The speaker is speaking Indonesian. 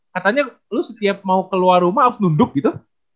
katanya lu setiap mau keluar rumah harus nunduk gitu